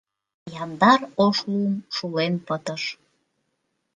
Яндар ош лум шулен пытыш